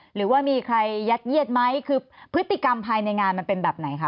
หรือว่ามีใครยัดเยียดไหมคือพฤติกรรมภายในงานมันเป็นแบบไหนคะ